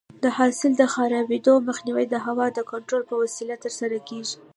د حاصل د خرابېدو مخنیوی د هوا د کنټرول په وسیله ترسره کېږي.